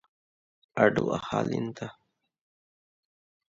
އަޑު އަހާލިންތަ؟